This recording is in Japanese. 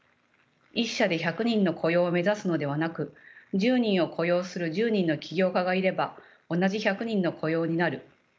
１社で１００人の雇用を目指すのではなく１０人を雇用する１０人の起業家がいれば同じ１００人の雇用になる。